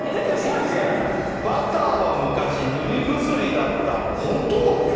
バターは昔、塗り薬だった。